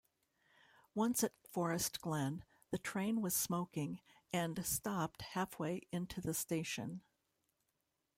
Once at Forest Glen the train was smoking and stopped halfway into the station